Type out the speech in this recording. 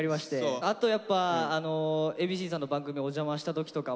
あとやっぱＡ．Ｂ．Ｃさんの番組お邪魔した時とかも。